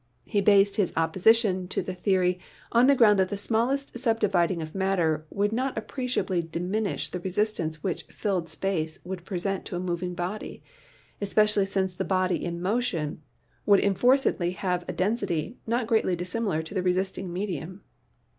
He based his opposition to the theory on the ground that the smallest subdividing of matter would not appreciably diminish the resistance which "filled space" would present to a moving body, espe cially since the body in motion would enforcedly have a density not greatly dissimilar to the resisting medium.